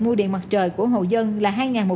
mua điện mặt trời của hộ dân là